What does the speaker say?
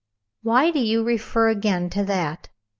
"Why do you refer again to that?"